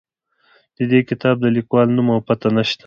د دې کتاب د لیکوال نوم او پته نه شته.